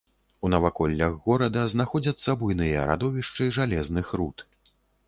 У наваколлях горада знаходзяцца буйныя радовішчы жалезных руд.